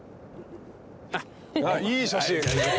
いい写真。